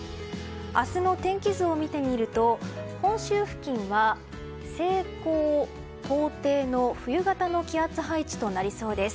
明日の天気図を見てみると本州付近は西高東低の冬型の気圧配置となりそうです。